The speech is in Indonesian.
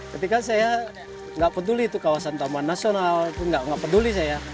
ketika saya nggak peduli itu kawasan taman nasional nggak peduli saya